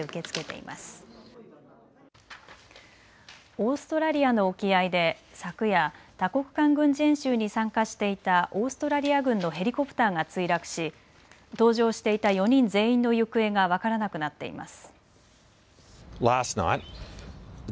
オーストラリアの沖合で昨夜、多国間軍事演習に参加していたオーストラリア軍のヘリコプターが墜落し搭乗していた４人全員の行方が分からなくなっています。